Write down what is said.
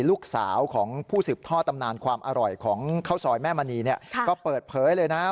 ลูกสาวของผู้สืบทอดตำนานความอร่อยของข้าวซอยแม่มณีเนี่ยก็เปิดเผยเลยนะ